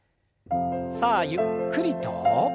さあゆっくりと。